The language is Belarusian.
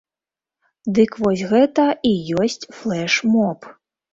Дык вось гэта і ёсць флэш-моб.